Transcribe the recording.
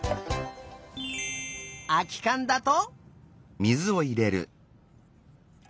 あきかんだと。